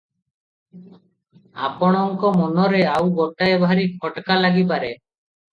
ଆପଣମାନଙ୍କ ମନରେ ଆଉ ଗୋଟାଏ ଭାରି ଖଟ୍କା ଲାଗିପାରେ ।